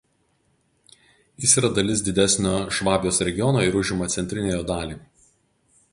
Jis yra dalis didesnio Švabijos regiono ir užima centrinę jo dalį.